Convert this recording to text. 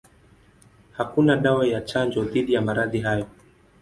Hakuna dawa ya chanjo dhidi ya maradhi hayo.